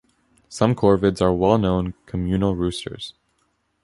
Some corvids are well-known communal roosters.